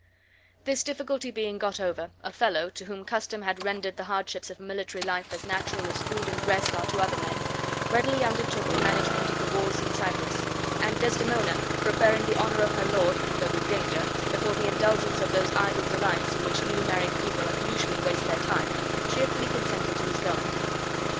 This difficulty being got over, Othello, to whom custom had rendered the hardships of a military life as natural as food and rest are to other men, readily undertook the management of the wars in Cyprus; and Desdemona, preferring the honor of her lord (though with danger) before the indulgence of those idle delights in which new married people usually waste their time, cheerfully consented to his going.